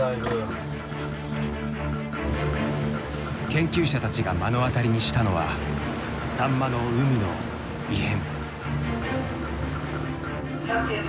研究者たちが目の当たりにしたのはサンマの海の異変。